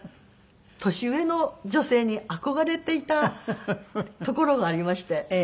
年上の女性に憧れていたところがありまして。